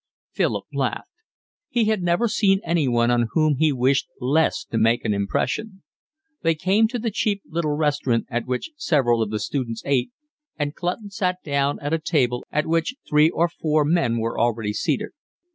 Philip laughed. He had never seen anyone on whom he wished less to make an impression. They came to the cheap little restaurant at which several of the students ate, and Clutton sat down at a table at which three or four men were already seated.